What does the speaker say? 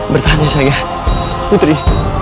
bertahan ya sayang putri